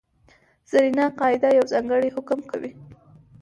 زرینه قاعده یو ځانګړی حکم کوي.